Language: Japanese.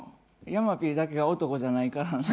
山Ｐだけが男じゃないからな。